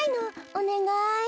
おねがい。